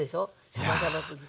シャバシャバすぎて。